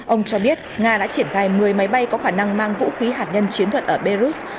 ông cho biết nga đã triển khai một mươi máy bay có khả năng mang vũ khí hạt nhân chiến thuật ở belarus